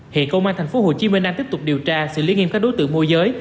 hiện công an tp hcm đang tiếp tục điều tra sự liên nghiêm các đối tượng môi giới